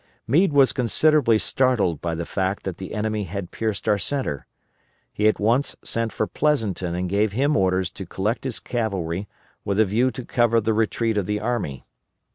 Meade was considerably startled by the fact that the enemy had pierced our centre. He at once sent for Pleasonton and gave him orders to collect his cavalry with a view to cover the retreat of the army.